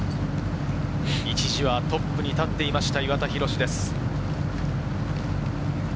一時はトップに立っていました岩田寛です。